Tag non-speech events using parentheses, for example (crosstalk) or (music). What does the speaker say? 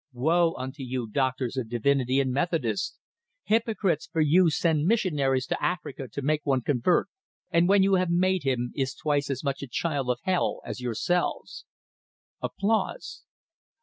Woe unto you, doctors of divinity and Methodists, hypocrites! for you send missionaries to Africa to make one convert, and when you have made him, is twice as much a child of hell as yourselves. (applause)